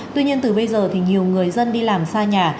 tuy nhiên từ bây giờ thì nhiều người dân đi làm xa nhà